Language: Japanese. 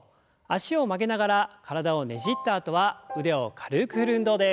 脚を曲げながら体をねじったあとは腕を軽く振る運動です。